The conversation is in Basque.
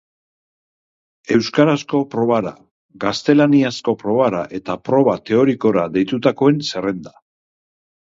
Euskarazko probara, gaztelaniazko probara eta proba teorikora deitutakoen zerrenda.